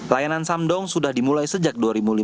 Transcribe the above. layanan samdong sudah dimulai sejak dua ribu lima belas